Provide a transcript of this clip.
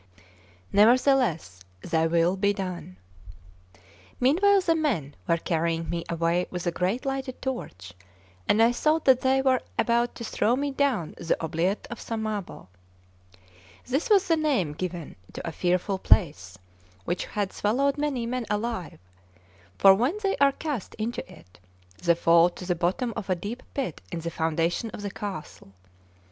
Nevertheless, Thy will be done." Meanwhile the men were carrying me away with a great lighted torch; and I thought that they were about to throw me down the oubliette of Sammabo. This was the name given to a fearful place which had swallowed many men alive; for when they are cast into it, the fall to the bottom of a deep pit in the foundation of the castle.